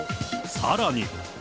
さらに。